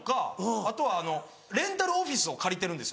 あとあのレンタルオフィスを借りてるんですよ